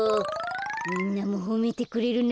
みんなもほめてくれるな。